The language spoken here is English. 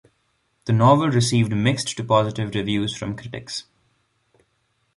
The novel received mixed to positive reviews from critics.